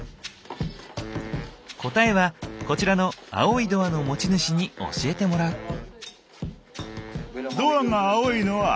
答えはこちらの青いドアの持ち主に教えてもらう。え！